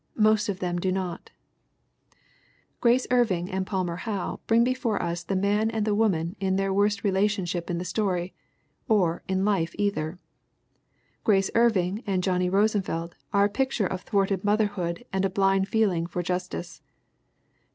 Most of them do not/ ' Grace Irving and Palmer Howe bring before us the man and the woman in their worst relationship in the story, or in life either. Grace Irving and Johnny Rosenfeld are a picture of thwarted motherhood and a blind feeling for justice.